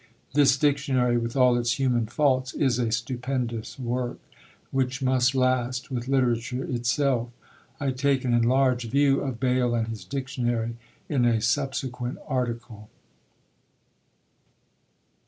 This Dictionary, with all its human faults, is a stupendous work, which must last with literature itself. I take an enlarged view of BAYLE and his DICTIONARY, in a subsequent article.